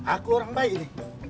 aku orang baik ini